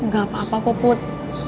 gak apa apa kok put